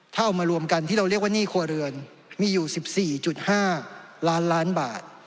ถ้าเอามารวมกันที่เราเรียกว่าหนี้ครัวเรือนมีอยู่๑๔๕ล้านล้านบาท